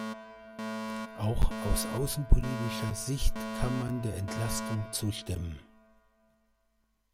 Auch aus außenpolitischer Sicht kann man der Entlastung zustimmen.